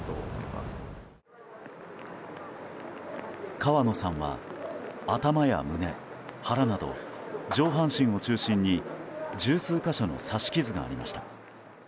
川野さんは頭や胸、腹など上半身を中心に十数か所の刺し傷がありました。